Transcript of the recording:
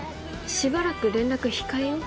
しばらく連絡、控えよう。